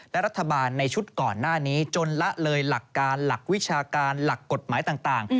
และรัฐบาลในชุดก่อนหน้านี้จนละเลยหลักการหลักวิชาการหลักกฎหมายต่าง